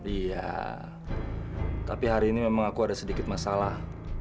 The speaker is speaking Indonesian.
iya tapi hari ini memang aku ada sedikit masalah